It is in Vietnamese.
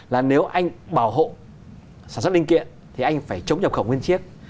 là nếu anh bảo hộ sản xuất linh kiện thì anh phải chống nhập khẩu nguyên chiếc